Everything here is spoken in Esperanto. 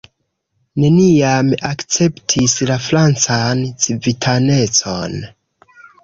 Neniam akceptis la francan civitanecon.